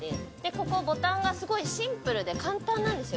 ここボタンがすごいシンプルで簡単なんですよ。